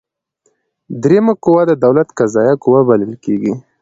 دریمه قوه د دولت قضاییه قوه بلل کیږي.